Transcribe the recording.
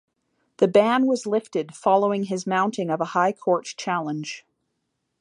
The ban was lifted following his mounting of a High Court challenge.